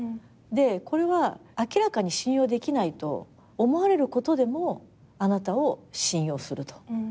でこれは明らかに信用できないと思われることでもあなたを信用すると。